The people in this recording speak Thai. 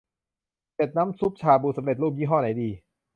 เจ็ด น้ำซุปชาบูสำเร็จรูป ยี่ห้อไหนดี